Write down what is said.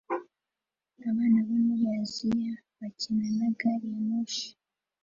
Abana bo muri Aziya bakina na gari ya moshi